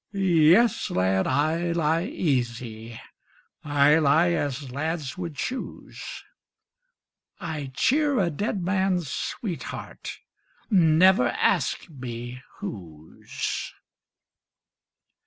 Yes, lad, I lie easy, I lie as lads would choose; I cheer a dead man's sweetheart, Never ask me whose.